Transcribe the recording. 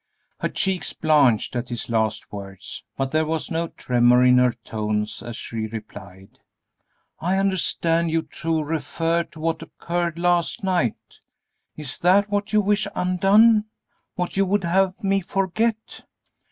Her cheeks blanched at his last words, but there was no tremor in her tones as she replied, "I understand you to refer to what occurred last night; is that what you wish undone what you would have me forget?"